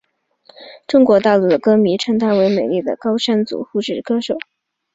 中国大陆的歌迷称她为美丽的高山族护士歌手。